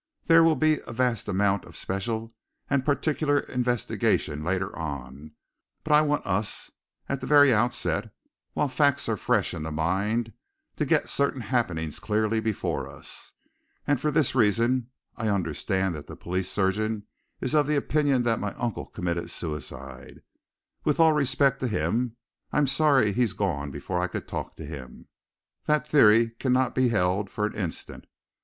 There will be a vast amount of special and particular investigation later on, but I want us, at the very outset, while facts are fresh in the mind, to get certain happenings clearly before us. And for this reason I understand that the police surgeon is of opinion that my uncle committed suicide. With all respect to him I'm sorry he's gone before I could talk to him that theory cannot be held for an instant!